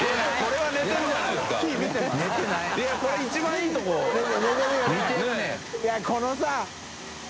いこのさ。